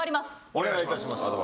お願いいたします。